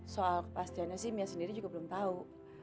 soal kepastiannya sih mia sendiri juga belum tahu